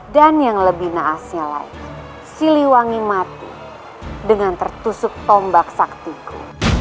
dan yang lebih naasnya lagi siliwangi mati dengan tertusuk tombak saktiku